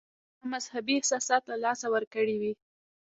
ما مذهبي احساسات له لاسه ورکړي وي.